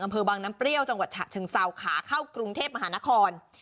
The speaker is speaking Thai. อำเภอบางน้ำเปรี้ยวจังหวัดฉะเชิงเซาขาเข้ากรุงเทพมหานคร